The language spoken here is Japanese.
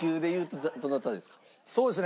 そうですね